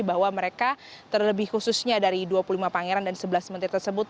bahwa mereka terlebih khususnya dari dua puluh lima pangeran dan sebelas menteri tersebut